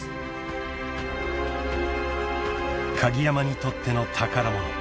［鍵山にとっての宝物］